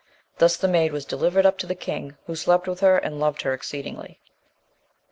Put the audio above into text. Thus the maid was delivered up to the king, who slept with her, and loved her exceedingly.